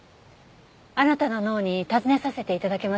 あなたの脳に尋ねさせて頂けませんか？